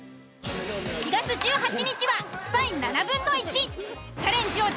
４月１８日はスパイ７分の１。